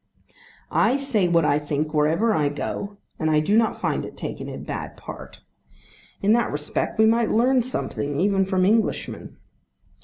I say what I think wherever I go, and I do not find it taken in bad part. In that respect we might learn something even from Englishmen.